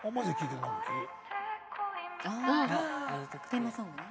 テーマソングね。